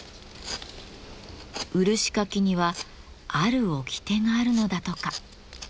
漆かきにはある掟があるのだとか。